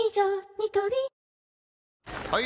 ニトリ・はい！